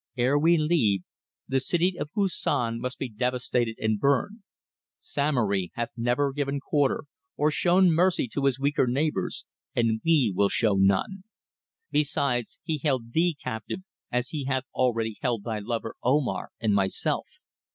"Ere we leave, the city of Koussan must be devastated and burned. Samory hath never given quarter, or shown mercy to his weaker neighbours, and we will show none. Besides, he held thee captive as he hath already held thy lover Omar and myself.